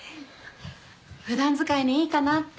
普段使いにいいかなって。